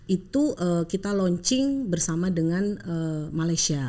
itu kita launching bersama dengan malaysia